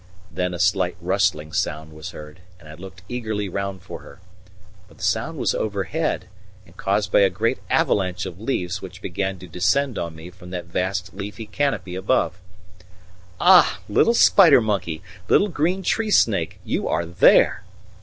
Then a slight rustling sound was heard, and I looked eagerly round for her. But the sound was overhead and caused by a great avalanche of leaves which began to descend on me from that vast leafy canopy above. "Ah, little spider monkey little green tree snake you are there!"